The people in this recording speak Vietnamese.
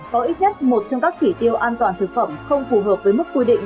có ít nhất một trong các chỉ tiêu an toàn thực phẩm không phù hợp với mức quy định